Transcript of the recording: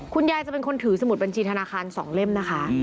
จะเป็นคนถือสมุดบัญชีธนาคาร๒เล่มนะคะ